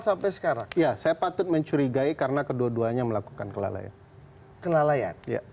sampai sekarang ya saya patut mencurigai karena kedua duanya melakukan kelalaian kelalaian